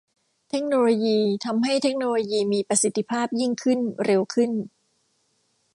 เทคโนโลยีทำให้เทคโนโลยีมีประสิทธิภาพยิ่งขึ้นเร็วขึ้น